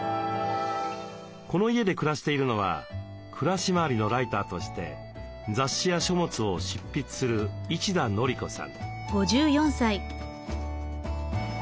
この家で暮らしているのは暮らし周りのライターとして雑誌や書物を執筆する一田憲子さん。